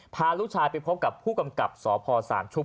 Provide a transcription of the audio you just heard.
พาลูกชายไปพบกับผู้กำกับสพสามชุบ